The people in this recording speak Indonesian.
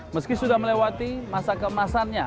meski sudah melewati masa keemasannya